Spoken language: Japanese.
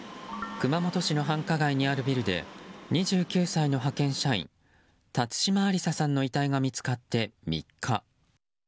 熊本市の繁華街にあるビルで２９歳の派遣社員辰島ありささんの遺体が見つかって３日。